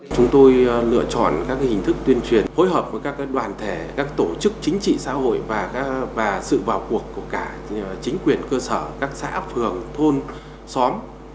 chúng tôi lựa chọn các hình thức tuyên truyền phối hợp với các đoàn thể các tổ chức chính trị xã hội và sự vào cuộc của cả chính quyền cơ sở các xã phường thôn xóm